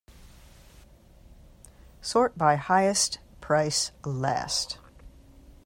Sort by highest price last.